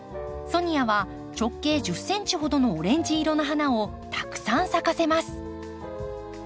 ソニアは直径１０ｃｍほどのオレンジ色の花をたくさん咲かせます。